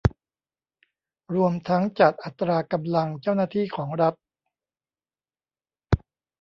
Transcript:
รวมทั้งจัดอัตรากำลังเจ้าหน้าที่ของรัฐ